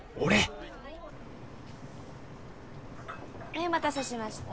はいお待たせしました。